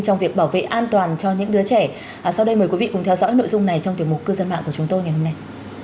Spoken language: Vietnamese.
trong việc bảo vệ an toàn cho những đứa trẻ sau đây mời quý vị cùng theo dõi nội dung này trong tiềm mục cư dân mạng của chúng tôi ngày hôm nay